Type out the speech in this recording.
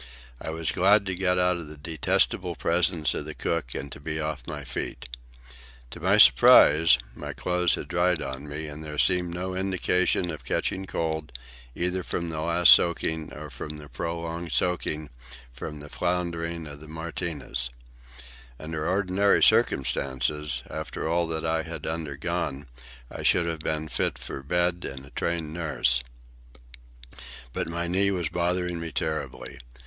I was glad to get out of the detestable presence of the cook and to be off my feet. To my surprise, my clothes had dried on me and there seemed no indications of catching cold, either from the last soaking or from the prolonged soaking from the foundering of the Martinez. Under ordinary circumstances, after all that I had undergone, I should have been fit for bed and a trained nurse. But my knee was bothering me terribly.